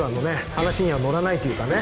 話にはのらないというかね。